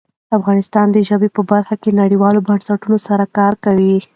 افغانستان د ژبو په برخه کې نړیوالو بنسټونو سره کار کوي.